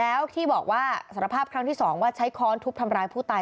แล้วที่บอกว่าสารภาพครั้งที่๒ว่าใช้ค้อนทุบทำร้ายผู้ตาย